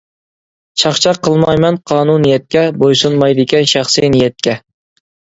چاقچاق قىلمايمەن قانۇنىيەتكە، بويسۇنمايدىكەن شەخسى نىيەتكە.